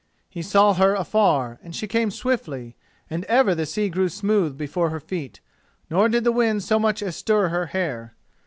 He saw her afar, and she came swiftly, and ever the sea grew smooth before her feet, nor did the wind so much as stir her hair.